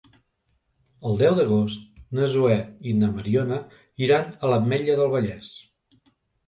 El deu d'agost na Zoè i na Mariona iran a l'Ametlla del Vallès.